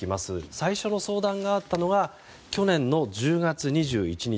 最初の相談があったのは去年の１０月２１日